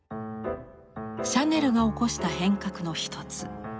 シャネルが起こした変革の一つ。